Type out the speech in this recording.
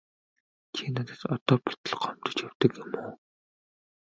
Чи надад одоо болтол гомдож явдаг юм уу?